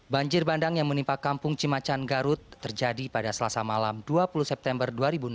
banjir bandang yang menimpa kampung cimacan garut terjadi pada selasa malam dua puluh september dua ribu enam belas